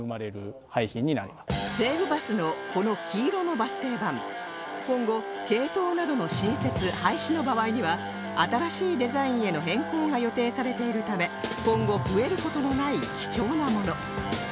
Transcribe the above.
西武バスのこの黄色のバス停板今後系統などの新設廃止の場合には新しいデザインへの変更が予定されているため今後増える事のない貴重なもの